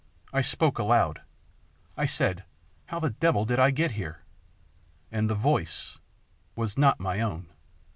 I spoke aloud. I said, " How the devil did I get here?" ... And the voice was not my own.